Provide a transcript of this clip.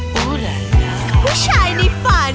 ผู้ชายในฝัน